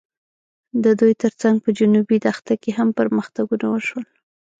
د دې تر څنګ په جنوبي دښته کې هم پرمختګونه وشول.